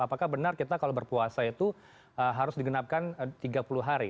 apakah benar kita kalau berpuasa itu harus digenapkan tiga puluh hari